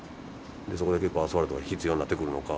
そこで結構アスファルトが必要になってくるのか。